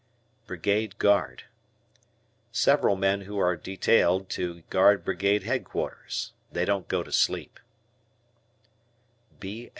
Brigade Guard. Several men who are detailed to guard Brigade Headquarters. They don't go to sleep.